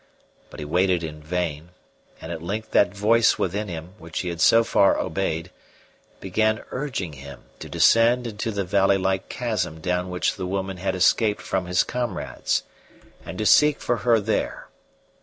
But he waited in vain, and at length that voice within him, which he had so far obeyed, began urging him to descend into the valley like chasm down which the woman had escaped from his comrades, and to seek for her there.